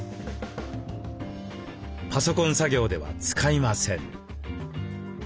パソコン作業では使いません。